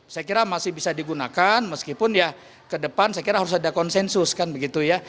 saya kira masih bisa digunakan meskipun ya ke depan saya kira harus ada konsensus kan begitu ya